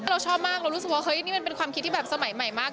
เราชอบมากเรารู้สึกว่าเฮ้ยนี่มันเป็นความคิดที่แบบสมัยใหม่มาก